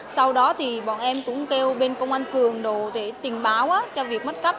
sau đó thì bọn em cũng kêu bên công an phường đồ để tình báo cho việc mất cắp